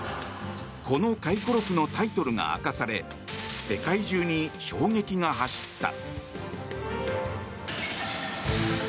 この回顧録のタイトルが明かされ世界中に衝撃が走った。